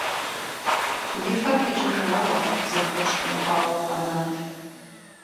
И фэр пыкӏыжауэ, зэхэушкӏумпӏауэ къэнат.